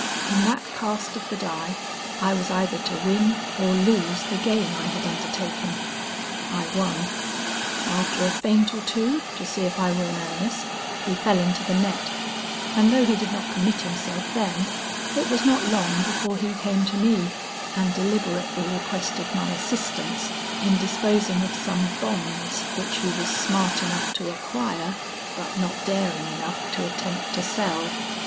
In that cast of the die I was either to win or lose the game I had undertaken. I won. After a feint or two, to see if I were in earnest, he fell into the net, and though he did not commit himself then, it was not long before he came to me, and deliberately requested my assistance in disposing of some bonds which he was smart enough to acquire, but not daring enough to attempt to sell.